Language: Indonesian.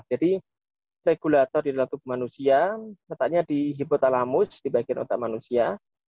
jadi regulator di dalam tubuh manusia katanya di hipotalamus di bagian otak manusia